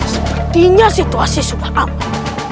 sepertinya situasi sudah aman